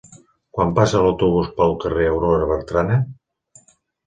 Quan passa l'autobús pel carrer Aurora Bertrana?